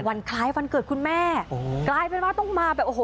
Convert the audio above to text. ในวันคล้ายวันเกิดคุณแม่กลายเป็นว่าต้องมาแบบโอ้โห